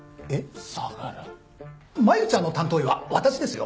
真由ちゃんの担当医は私ですよ。